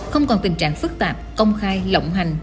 không còn tình trạng phức tạp công khai lộng hành